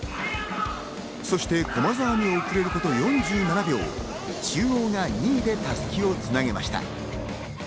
そして駒澤に遅れること４７秒、中央が２位で襷を繋ぎました。